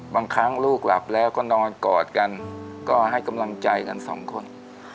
บางครั้งลูกหลับแล้วก็นอนกอดกันก็ให้กำลังใจกันสองคน